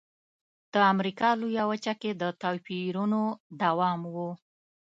د امریکا لویه وچه کې د توپیرونو دوام و.